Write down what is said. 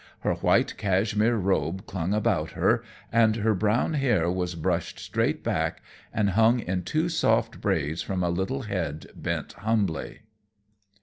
Her white cashmere robe clung about her, and her brown hair was brushed straight back and hung in two soft braids from a little head bent humbly.